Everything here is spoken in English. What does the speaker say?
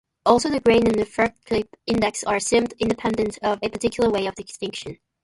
Also, gain and refractive index are assumed independent of a particular way of excitation.